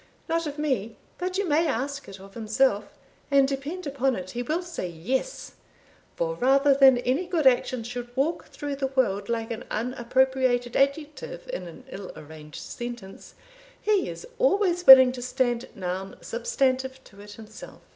"Not of me; but you may ask it of himself, and depend upon it, he will say yes; for rather than any good action should walk through the world like an unappropriated adjective in an ill arranged sentence, he is always willing to stand noun substantive to it himself."